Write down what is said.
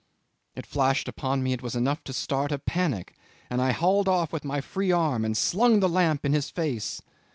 It flashed upon me it was enough to start a panic, and I hauled off with my free arm and slung the lamp in his face.